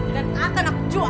dan akan aku coba